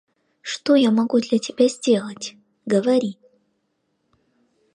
– Что я могу для тебя сделать? Говори.